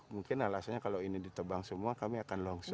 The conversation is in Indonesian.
mungkin alasannya kalau ini ditebang semua kami akan longsor